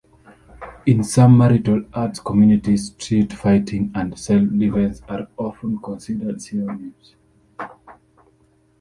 In some martial arts communities, street fighting and self-defense are often considered synonymous.